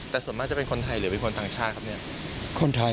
แต่ส่วนมากจะเป็นคนไทยเหรอเป็นคนตังชาติครับ